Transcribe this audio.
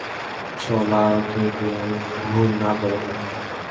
শোলা, যদি আমি ভুল না বলে থাকি।